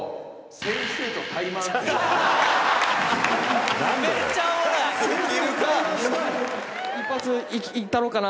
「先生とタイマンって」「」できるか！